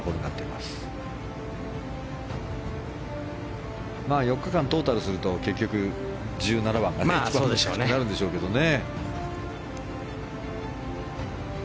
まあ４日間トータルすると結局、１７番が一番難しくなるんでしょうけどね。